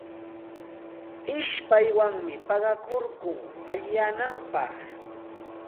Ishpaywanmi paqakurkun allinyananpaq.